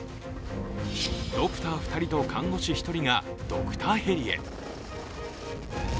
ドクター２人と看護師１人がドクターヘリへ。